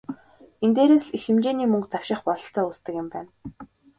Энэ дээрээс л их хэмжээний мөнгө завших бололцоо үүсдэг юм байна.